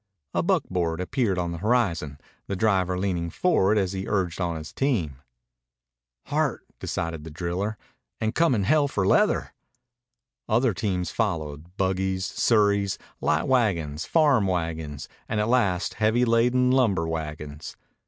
A buckboard appeared on the horizon, the driver leaning forward as he urged on his team. "Hart," decided the driller, "and comin' hell for leather." Other teams followed, buggies, surreys, light wagons, farm wagons, and at last heavily laden lumber wagons.